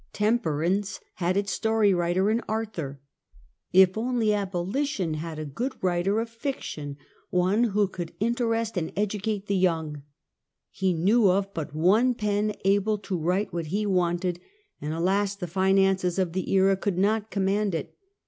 Temperance had its story wri ter in Arthur. If only abolition had a good writer of fiction, one who could interest and educate the young He knew of but one pen able to write what he wanted, and alas, the finances of the Era could not command it.